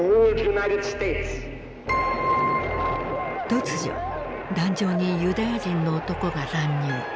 突如壇上にユダヤ人の男が乱入。